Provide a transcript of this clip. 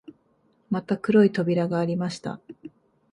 また黒い扉がありました